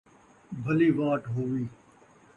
بھلی واٹ ہووی